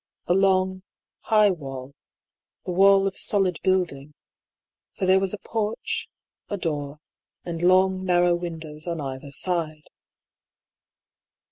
A long, high wall — the wall of a solid building ; for there was a porch, a door, and long, narrow windows on either side.